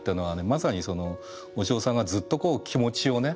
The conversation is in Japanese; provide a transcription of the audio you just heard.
まさにそのおしおさんがずっとこう気持ちをね